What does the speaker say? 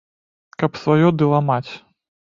Каб сваё ды ламаць?